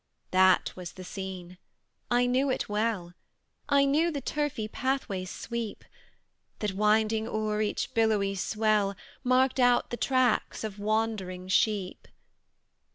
THAT was the scene, I knew it well; I knew the turfy pathway's sweep, That, winding o'er each billowy swell, Marked out the tracks of wandering sheep.